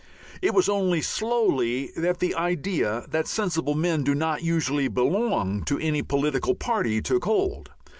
It was only slowly that the idea that sensible men do not usually belong to any political "party" took hold.